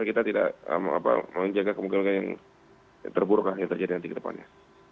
kita tidak menjaga kemungkinan yang terburuk lah yang terjadi nanti ke depannya